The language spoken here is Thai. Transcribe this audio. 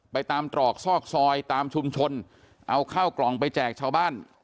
ไปตามตรอกซอกซอยตามชุมชนเอาข้าวกล่องไปแจกชาวบ้าน